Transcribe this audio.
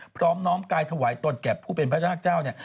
พร้อมน้อมกายถวายตนแก่ผู้เป็นพระเจ้าเนี่ย